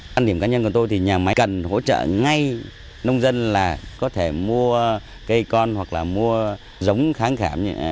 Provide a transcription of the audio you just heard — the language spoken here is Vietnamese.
quan điểm cá nhân của tôi thì nhà máy cần hỗ trợ ngay nông dân là có thể mua cây con hoặc là mua giống kháng khảm